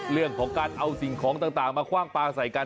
เรื่องของการเอาสิ่งของต่างมาคว่างปลาใส่กัน